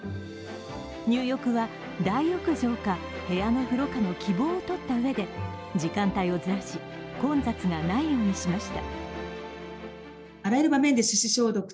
入力は大浴場か、部屋の風呂かの希望をとったうえで時間帯をずらし、混雑がないようにしました。